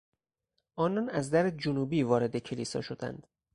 آنان از در جنوبی وارد کلیسا شدند.